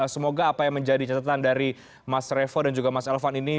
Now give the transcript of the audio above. semoga apa yang menjadi catatan dari mas revo dan juga mas elvan ini